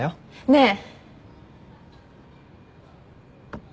ねえ！